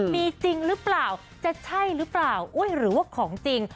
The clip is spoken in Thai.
มีจริงหรือเปล่าจะใช่หรือเปล่าหรือว่าของจริง